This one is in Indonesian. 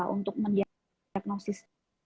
untuk menyiapkan diagnosis